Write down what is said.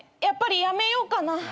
やっぱりやめようかな。